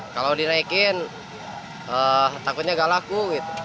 kalau dinaikin takutnya gak laku